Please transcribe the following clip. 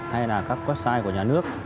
hay là các website của nhà nước